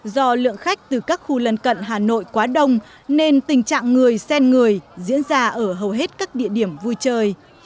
do lượng khách từ các khu lân cận hà nội quá đông nên tình trạng người sen người diễn ra ở hầu hết các địa điểm vui chơi